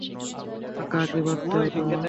আঁকাআঁকি বাদ দাও তো মা!